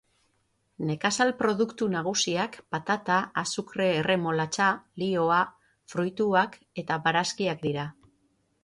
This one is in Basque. Nekazal produktu nagusiak patata, azukre-erremolatxa, lihoa, fruituak eta barazkiak dira.